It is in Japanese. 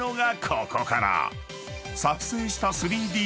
［ここから］